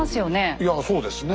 いやそうですね。